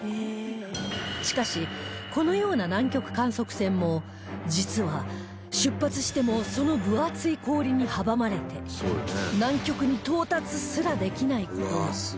しかしこのような南極観測船も実は出発してもその分厚い氷に阻まれて南極に到達すらできない事も